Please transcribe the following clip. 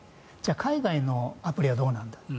海外のアプリはどうなんだと。